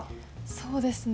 そうですね